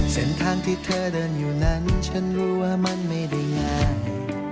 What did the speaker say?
เส้นทางที่เธอเดินอยู่นั้นฉันรู้ว่ามันไม่ได้ง่าย